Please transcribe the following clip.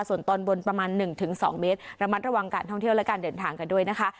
ส่วนตอนบนประมาณ๑๒เมตรระมัดระวังการท่องเที่ยวและการเดินทางกันด้วยนะคะ